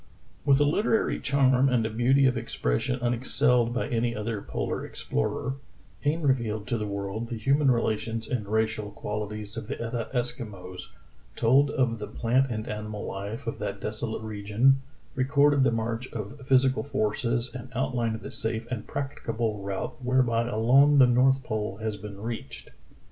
With a literary charm and a 93 94 True Tales of Arctic Heroism beauty of expression unexcelled by any other polar explorer, Kane revealed to the world the human rela tions and racial qualities of the Etah Eskimo, told of the plant and animal life of that desolate region, re corded the march of physical forces, and outlined the safe and practicable route whereby alone the north pole has been reached.